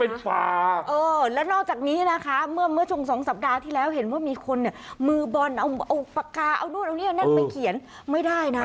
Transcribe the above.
เอานู่นเอานี่แน่นไปเขียนไม่ได้นะ